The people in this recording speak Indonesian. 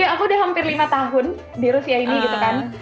aku udah hampir lima tahun di rusia ini gitu kan